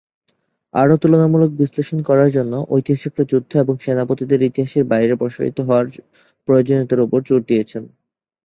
আরও তুলনামূলক বিশ্লেষণ করার জন্য ঐতিহাসিকরা যুদ্ধ এবং সেনাপতিদের ইতিহাসের বাইরে প্রসারিত হওয়ার প্রয়োজনীয়তার উপর জোর দিয়েছেন।